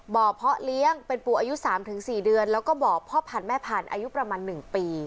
บ่อพ่อเลี้ยงเป็นปูอายุสามถึงสี่เดือนแล้วก็บ่อพ่อพันธ์แม่พันธ์อายุประมาณหนึ่งปี